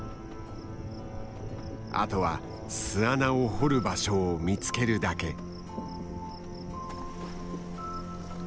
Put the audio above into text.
あとは巣穴を掘る場所を見つけるだけ。